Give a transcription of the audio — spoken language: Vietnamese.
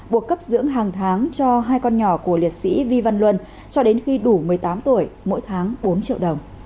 buộc cấp dưỡng hàng tháng cho hai con nhỏ của liệt sĩ vi văn luân cho đến khi đủ một mươi tám tuổi mỗi tháng bốn triệu đồng